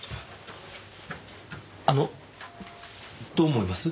あのどう思います？